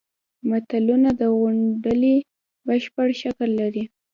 متلونه د غونډلې بشپړ شکل لري